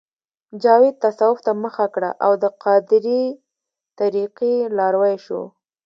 جاوید تصوف ته مخه کړه او د قادرې طریقې لاروی شو